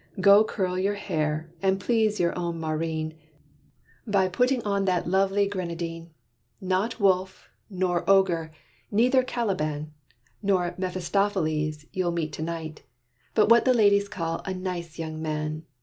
Go curl your hair; and please your own Maurine, By putting on that lovely grenadine. Not wolf, nor ogre, neither Caliban, Nor Mephistopheles, you'll meet to night, But what the ladies call 'a nice young man'!